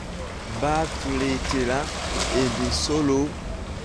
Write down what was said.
Baatuleetera emisolo.